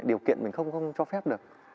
điều kiện mình không cho phép được